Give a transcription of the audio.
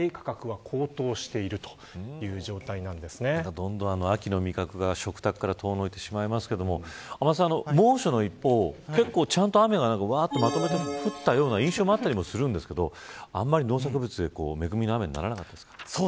どんどん秋の味覚が食卓から遠のいてしまいますけれども猛暑の一方、結構ちゃんと雨がまとめて降ったような印象もあったりするんですけどあんまり農作物には恵みの雨にならなかったですか。